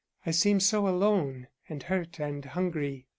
I seemed so alone and hurt and hungry.